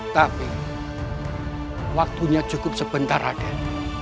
tapi waktunya cukup sebentar rakyat